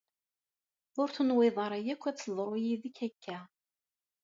Ur tenwiḍ ara akk ad teḍru yid-k akka.